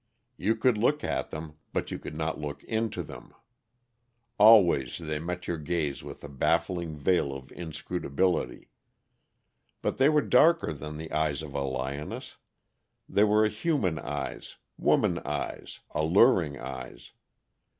You could look at them, but you could not look into them. Always they met your gaze with a baffling veil of inscrutability. But they were darker than the eyes of a lioness; they were human eyes; woman eyes alluring eyes.